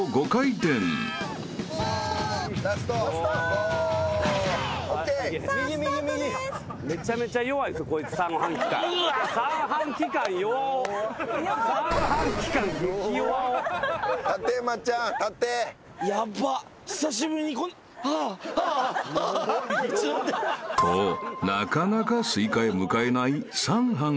［となかなかスイカへ向かえない三半弱男だが］